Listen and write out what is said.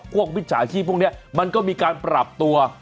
กว้องพิจารณ์ชีพพวกนี้มันก็มีการปรับตัว